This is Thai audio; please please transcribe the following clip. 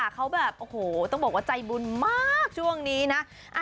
เขาแบบโอ้โหต้องบอกว่าใจบุญมากช่วงนี้นะ